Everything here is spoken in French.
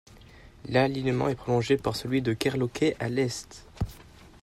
L'alignement est prolongé par celui de Kerloquet à l'est.